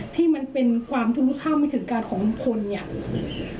ที่มันเป็นการความทุลูกท่าไม่ถึงการของลุงพล